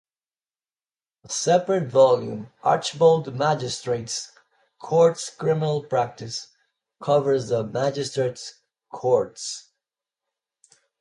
A separate volume, "Archbold Magistrates' Courts Criminal Practice" covers the Magistrates' Courts.